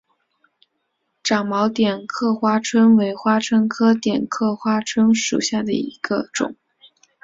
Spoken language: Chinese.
长毛点刻花蝽为花蝽科点刻花椿属下的一个种。